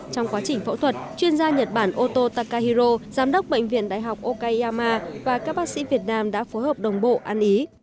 trong quá trình phẫu thuật chuyên gia nhật bản ô tô takahiro giám đốc bệnh viện đại học okayama và các bác sĩ việt nam đã phối hợp đồng bộ ăn ý